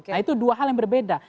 nah itu dua hal yang berbeda